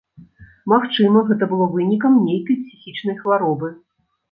Магчыма, гэта было вынікам нейкай псіхічнай хваробы.